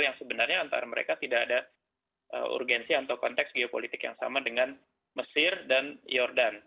yang sebenarnya antara mereka tidak ada urgensi atau konteks geopolitik yang sama dengan mesir dan jordan